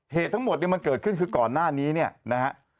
เหตุทั้งหมดที่มันเกิดขึ้นคือก่อนหน้านี้นะฮะ